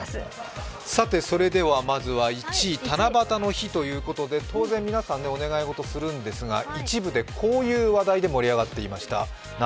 それではまずは１位、七夕の日ということで、当然皆さん、お願い事をするんですが一部でこういう話題で盛り上がっていました。